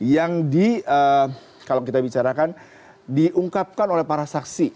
yang kalau kita bicarakan diungkapkan oleh para saksi